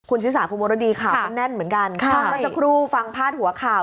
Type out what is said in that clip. คุณชินสาคุณมรดีข่าวแน่นเหมือนกันค่ะภาษาครูฟังพลาดหัวข่าว